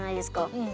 うん。